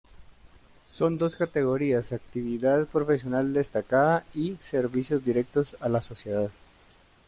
Son dos categorías: Actividad Profesional Destacada y Servicios Directos a la Sociedad.